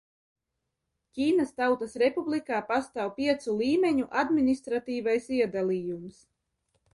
Ķīnas Tautas Republikā pastāv piecu līmeņu administratīvais iedalījums.